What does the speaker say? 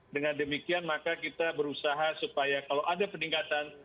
dengan demikian maka kita berusaha supaya kalau ada peningkatan